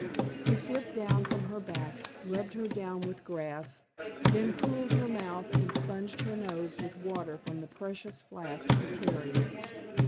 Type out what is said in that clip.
He slipped down from her back, rubbed her down with grass, then cooled her mouth and sponged her nose with water from the precious flask he carried.